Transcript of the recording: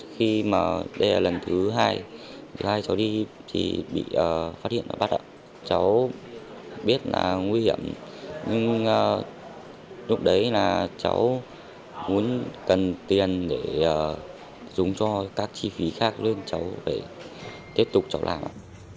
khi mà đây là lần thứ hai cháu đi thì bị phát hiện và bắt ạ cháu biết là nguy hiểm nhưng lúc đấy là cháu muốn cần tiền để dùng cho các chi phí khác nên cháu phải tiếp tục cháu làm ạ